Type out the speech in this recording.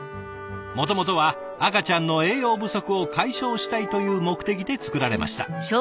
もともとは赤ちゃんの栄養不足を解消したいという目的で作られました。